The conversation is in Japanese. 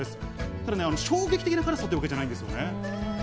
ただ衝撃的な辛さというわけじゃないんですね。